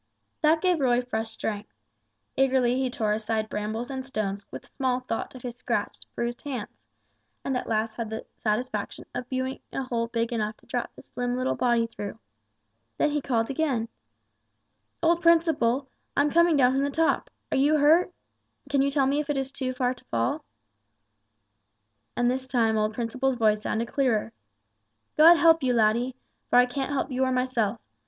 That gave Roy fresh strength. Eagerly he tore aside brambles and stones with small thought of his scratched, bruised hands, and at last had the satisfaction of viewing a hole big enough to drop his slim little body through. Then he called again, "Old Principle, I'm coming down from the top. Are you hurt? Can you tell me if it is far to fall?" And this time old Principle's voice sounded clearer: "God help you, laddie! For I can't help you or myself.